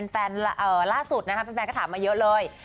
ล่าสุดนะครับแฟนก็ถามมาเยอะเลย